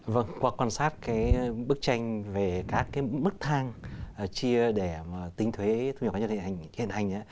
vâng qua quan sát bức tranh về các mức thang chia để tính thuế thu nhập cá nhân hiện hành